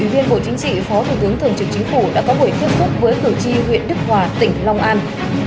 ủy viên bộ chính trị phó thủ tướng thượng trưởng chính phủ đã có buổi tiếp xúc với thủ trì huyện đức hòa tỉnh long an